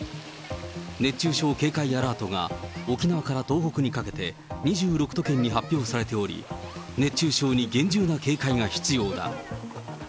熱中症警戒アラートが、沖縄から東北にかけて２６都県に発表されており、熱中症に厳重な警戒が必要だ。